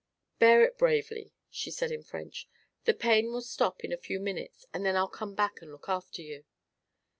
"Bear it bravely," she said in French. "The pain will stop in a few minutes and then I'll come and look after you."